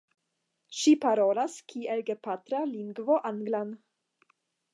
Ŝi parolas kiel gepatra lingvo anglan.